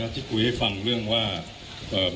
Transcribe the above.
คุณผู้ชมไปฟังผู้ว่ารัฐกาลจังหวัดเชียงรายแถลงตอนนี้ค่ะ